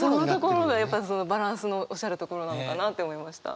バランスのおっしゃるところなのかなと思いました。